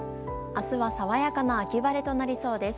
明日は爽やかな秋晴れとなりそうです。